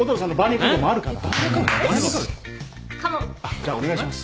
じゃあお願いします。